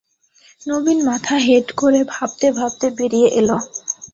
নবীন মাথা হেঁট করে ভাবতে ভাবতে বেরিয়ে এল।